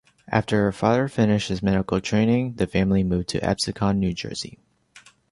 After her father finished his medical training, the family moved to Absecon, New Jersey.